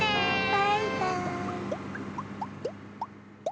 バイバーイ。